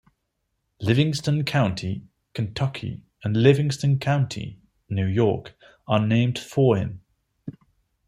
Livingston County, Kentucky, and Livingston County, New York, are named for him.